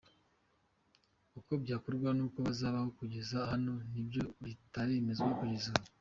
Uko byakorwa n’uko bazabaho bageze hano ni byo bitaremezwa kugeza ubu.